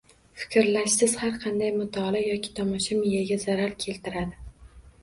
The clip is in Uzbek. Fikrlashsiz har qanday mutolaa yoki tomosha miyaga zarar keltiradi.